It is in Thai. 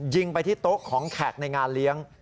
ยิงไปที่โต๊ะของแขกในงานเลี้ยง